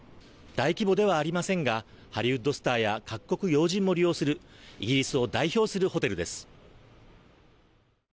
大規模ではありませんがハリウッドスターや各国要人も利用するイギリスを代表するホテルです。